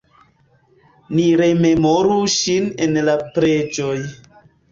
Ni rememoru ŝin en la preĝoj.